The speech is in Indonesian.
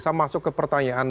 saya masuk ke pertanyaan